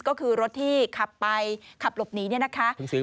ก็คือรถที่ขับไปขับหลบหนีเนี่ยนะคะ